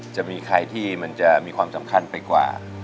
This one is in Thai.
จะมีใครที่มันจะมีความสำคัญไปกว่า